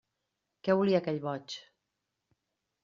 Què volia aquell boig?